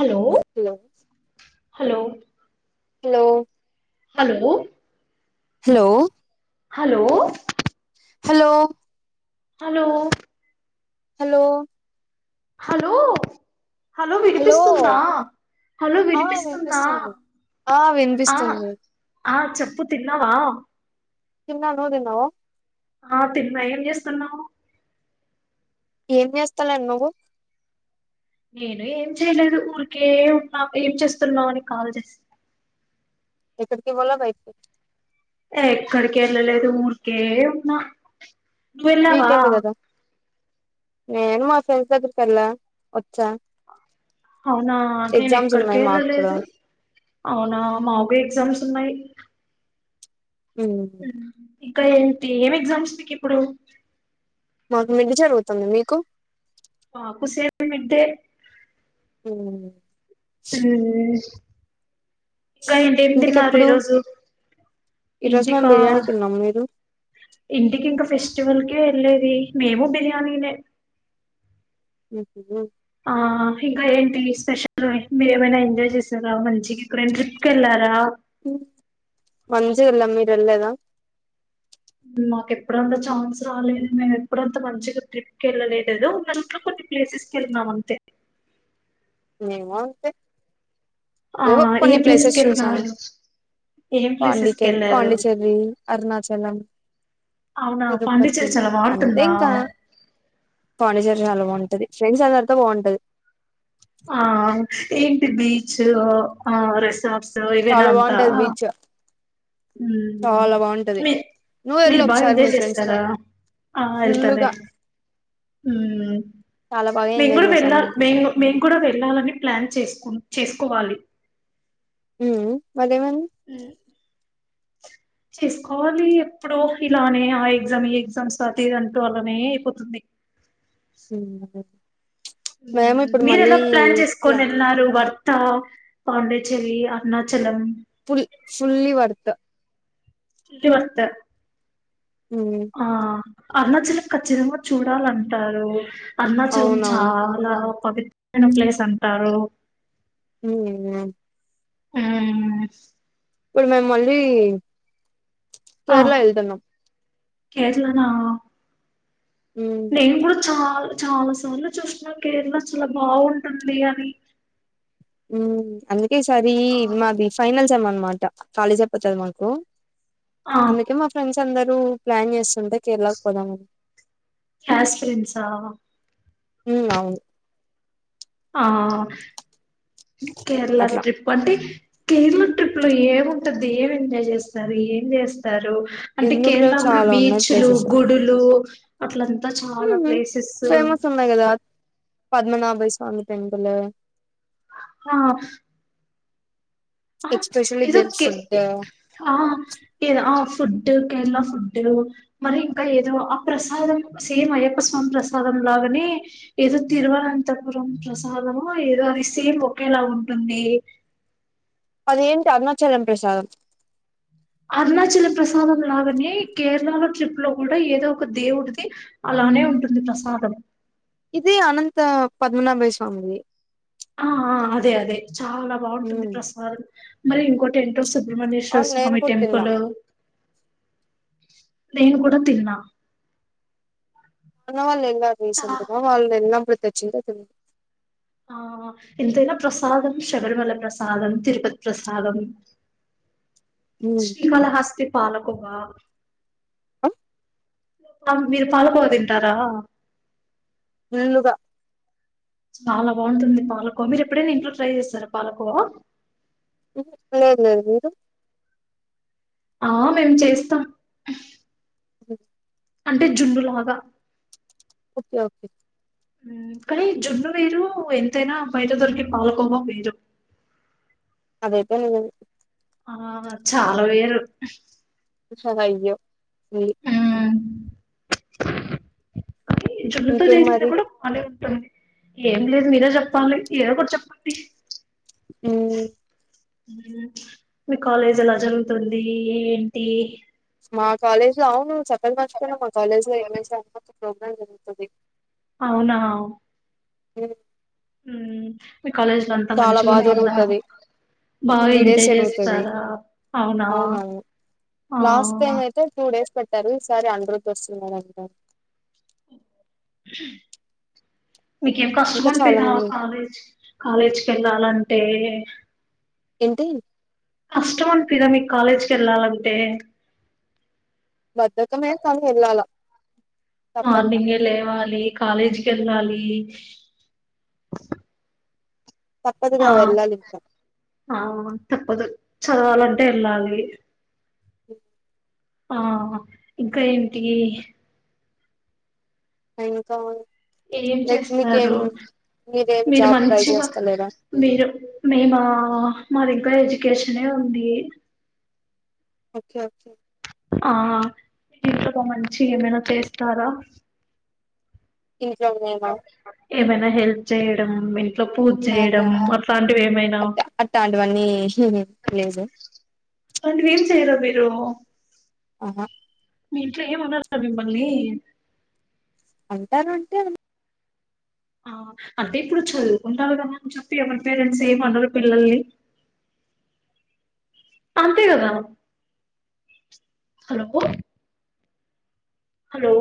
Hello hello hello hello hello hello hello hello hello hello hello hello వినిపిస్తుందా, hello ఆ వినిపిస్తుందా వినిపిస్తుంది ఆ ఆ వినిపిస్తుంది ఆ చెప్పు తిన్నావా తిన్న, నువ్వు తిన్నావా ఆ తిన్న, ఏం చేస్తున్నావు ఏం చేస్తా లేను, నువ్వు? నేను ఏం చేయలేదు, ఊరికే ఉన్నా ఏం చేస్తున్నావు అని కాల్ చేసి ఇక్కడకి పోలా బయటికి ఏ ఎక్కడికి వెళ్ళలేదు, ఊరికే ఉన్నా, నువ్వు వెళ్ళేవా వీకెండ్ కదా నేను మా ఫ్రెండ్స్ దగ్గరికి వెళ్ళ వచ్చా అవునా నేను ఎగ్జామ్స్ ఎక్కడికి ఉన్నాయి మాకు కూడా వెళ్ళలేదు, అవునా మాకు ఎగ్జామ్స్ ఉన్నాయి ఉమ్ ఇంకా ఏంటి, ఏం ఎగ్జామ్స్ మీకి ఇప్పుడు? మాకు మిడ్ జరుగుతుంది మీకు మిడ్ డే ఉ ఇంకా ఏంటి, ఏం తిన్నారు ఇంటికెప్పుడు ఈరోజు ఈ రోజు మేము ఇంటికా, బిర్యానీ తిన్నాం మీరు ఇంటికి ఇంక ఫెస్టివల్ వెళ్ళేది, మేము బిర్యానీనే ఉ ఆ ఇంకా ఏంటి స్పెషల్, మీరూ ఏమైనా ఎంజాయ్ చేసారా మంచిగా ఎక్కడైనా ట్రిప్ కి వెళ్ళారా మంచిగా వెళ్ళాం మీరు వెళ్లలేదా మాకు ఎప్పుడంత ఛాన్స్ రాలేదు మేము ఎప్పుడంతా మంచిగా ట్రిప్ క వెళ్ళలేదు ఏదో ఉన్నట్ కొ ప్లేసెస్ కి వెళ్తున్నాం అంతే మేము అంతే, ఆ ఏవో ఏ కొన్ని ప్లేస్ ప్లేసెస్ కి చూసాము వెళ్ళినారు ఏం పాండ్, ప్లేసెస్ కి వెళ్ళారు పాండిచెర్రీ, అరుణాచలం అవునా తిరుపతి పాండిచ్చేరి చాలా అంతే బాగుంటుందా ఇంకా పాండిచెర్రీ చాలా బావుంటుంది వుంటది ఫ్రెండ్స్ అది అంతా బాగుంటది ఆ ఏంటి బీచ్, ఆ రెసార్ట్స్ సో ఈవెనా చాలా అంతా బాగుంటది బీచ్ హమ్, చాలా బాగుంటది మీర్ నువ్వు వెళ్ళు మీరు బాగా ఒకసారి మీ ఎంజాయ్ ఫ్రెండ్స్ తో చేస్తారా ఆ ఫుల్ గా ఎల్తలేము, హమ్ చాలా బాగా మేము ఎంజాయ్ కూడా చేసాం వెళ్ళాలి, మేము, మేము కూడా వెళ్ళాలని ప్లాన్ చేసుకున్నాం చేసుకోవాలి ఉ మరి ఏం అయ్యింది హ్మ్ చేసుకోవాలి ఎప్పుడో, ఇలానే ఆ ఎగ్జామ్ ఈ ఎగ్జామ్స ప్రతిదీ అంటూ అలానే అయిపోతుంది [inaudible] ఉహూ హు హమ్, మీరు ఎలా ప్లాన్ చేసుకొని ప్లా- వెళ్ళారు వర్ ఇంకా Pondicherry, Arunachalam full fully worth చి పత [unintelligible] హమ్ అరుణాచలం ఖచ్చితంగా చూడాలంటారు అరుణాచలం అవునవును చాలా పవిత్రమైన ప్లేస్ అంటారు హ [unintelligible] హమ్ హ్ ఇప్పుడు మేము మళ్ళీ కేరళ వెళ్తున్నాం కేరళ నా ఉమ్ నేను కూడా చాలా చాలా సార్లు చూసిన కేరళ చాలా బాగుంటుంది అని అందుకే సారీ ఆ మాది ఫైనల్ సేమ్ అన్నమాట కాలేజ్ అయిపోతది మాకు ఆ అందుకే మా ఫ్రెండ్స్ అందరూ ప్లాన్ చేస్తుంటే కేరళకు పోదాం అ కస్ ప్రెన్సా ఉ అవును ఆ కేరళ అట్లా ట్రిప్ అంట కేరళ ట్రిప్ లో ఏముంటది ఏం ఎంజాయ్ చేస్తారు ఏం చేస్తారు అంటే కేరళ ఎందుకులేవు కూడా చాలా ఉన్నాయి బీచ్లు ప్లేసెస్ గుడులు అట్లంతా చాలా ప్లేసెస్ సంగేద పద్మనాభ స్వామి టెంపులు హ ఆ ఇ ఎక్స్పెషల్లీ దేర్ ఫుడ్ ఆ ఇ ఫుడ్ కేరళ ఫుడ్ మరి ఇంకా ఏదో ఆ ప్రసాదం సేమ్ అయ్యప్ప స్వామి ప్రసాదం లాగనే ఏదో తిరువనంతపురం ప్రసాదము ఏదో అది సేమ్ ఒకేలా ఉంటుంది అ పదిహేంటి అరుణచలం ప్రసాదం అరుణాచల్ ప్రసాదం లాగానే కేరళాల ట్రిప్ లో కూడా ఏదో ఒక దేవుడిది అలా అలానే ఉంటుంది ప్రసాదం ఇది అనంత పద్మనాభయ స్వామిది ఆ అదే అదే చాలా బాగుంటుంది హ్మ్ ప్రసాదం మరి ఇంకోటి ఎంటోు భమనేేశ్వర అవును నేను స్వామి కూడా తిన్నా టెంపుల్ నేను కూడా తిిన అనా వాళ్ళు ఎలా చాలా రీసెంట వాళ్ళ ఎలాప్పుడు తెచ్చంద త ఆ ఎంతైనా ప్రసాదం శబరిమల ప్రసాదం తిరుపతి ప్రసాదం హ్మ్ శ్రీకాళహస్తి పాలకుంగా ఆం మీరు పాాలకూర తింటారా ఫుల్లుగా చాలా బాగుంటుంది పాలకో మీరు ఎప్పుడైనా ఇంట్లో ట్రై చేస్తారు పాలకో లే లే మీరు ఆ మేం చేస్తాం అ అంటే జుండులాగా ఓకే ఓకే కానీ జున్ను వేరు ఎంతైనా బయట దొరికి పాలకోవ వేరు అదేతే న ఆ చాలా వేరు ఉచ్చదయ్యో ఊ జున్ను తో ఇంకేం జేస్తే మరి కూడా భలే ఉన్ టుంది ఏం లేదు మీరే చెప్పాలి ఏదో ఒకటి చెప్పండి హ్మ్ మీ కాలేజ్ ఎలా జరుగుతుంది ఏంటి మా కాలేజ్ లో అవును చెప్పడం మర్చిపోయినా మా కాలేజ్ లో [unintelligible] ప్రోగ్రామ్ జరుగుతుంది అవునా ఏ హ్మ్ మీ కాలేజ్ లో అంతా మంచి బాగా ఉంటుందా జరుగుతది బా త్రీ డేస్ ఎంజాయ్ జరుగుతది చేస్తారా అవునా అవునవును ఆ లాస్ట్ టైమ్ అయితే టూ డేస్ పెట్ట తారు ఈసారి అందరూతో వస్తున్నారంట మీకేం కష్టం ఇంకా చాలా అన్పియదా మంది కాలేజ్ కాలేజ్కి వెళ్ళాలంటే ఏంటి కష్టం అనిపీయదా మీకు కాలేజ్కి వెళ్ళాలంటే బద్దకమే కానీ వెల్లాల మార్నింగే లేవాలి కాలేజీకి వెళ్ళాలి ఆ తప్పదుగా వెళ్ళాలి ఇంకా ఆ తప్పదు చదవాలంటే వెళ్ళాలి ఆ ఇంకా ఏంటి [unintelligible] ఏం లైక్ మీకేం చేస్తారు మీరేం మీరు జాబ్ ట్రై మంచిగా చేస్తలేరా మీరు మేమా మరి కో ఎడ్యుకేషనే ఉంది ఓకే ఆ మీ ఇంట్గా మంచి ఏమైనా చేస్తారా ఇన్ని ప్ర ఏమైనా హెల్ప్ చేయడం అట్లో పూజ ఆహా చేయడం అట్లాంటివి ఏమైనా అట్ట అట్లాంటివన్నీ లేదు రంటి వేం చేయర మీీరు ఆహా వీట్లో ఏం ఉన్న బీపల్లి అంటారు అంటే ఆ అంటే ఇప్పుడు చదువుకుంటారు కదా అని చెప్పి ఏమరి పేరెంట్స్ ఏమన్నారురు పిల్లల్ని పంతద హలో హలో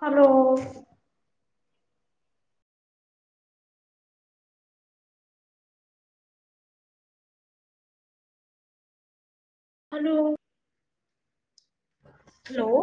హలో అ హలో